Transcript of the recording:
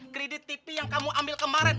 kredit tipi yang kamu ambil kemarin